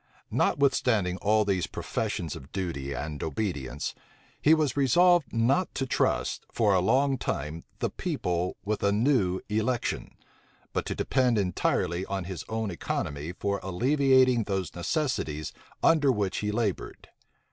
Notwithstanding all these professions of duty and obedience, he was resolved not to trust, for a long time, the people with a new election, but to depend entirely on his own economy for alleviating those necessities under which he labored.